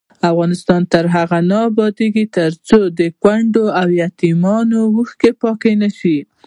افغانستان تر هغو نه ابادیږي، ترڅو د کونډو او یتیمانو اوښکې پاکې نشي.